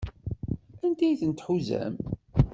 Anda ay tent-tḥuzam?